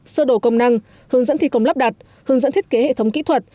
sơ đổ công năng hướng dẫn thi công lắp đặt hướng dẫn thiết kế hệ thống kỹ thuật